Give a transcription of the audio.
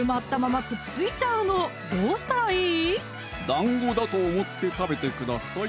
だんごだと思って食べてください